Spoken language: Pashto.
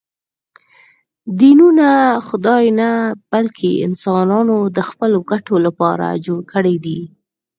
دینونه خدای نه، بلکې انسانانو د خپلو ګټو لپاره جوړ کړي دي